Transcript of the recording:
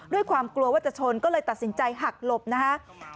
ด้วยความกลัวว่าจะชนก็เลยตัดสินใจหักหลบนะฮะ